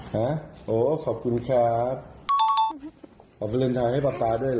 ฮะโอ้ขอบคุณครับขอวาเลนไทยให้ป๊าป๊าด้วยเหรอ